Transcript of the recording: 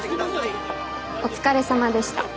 お疲れさまでした。